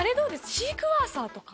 シークワーサーとか。